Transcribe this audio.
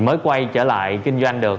mới quay trở lại kinh doanh được